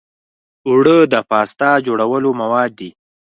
اوړه د پاستا جوړولو مواد دي